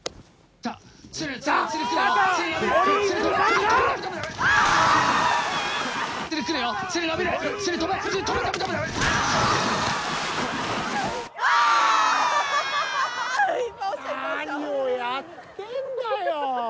何をやってるんだよ！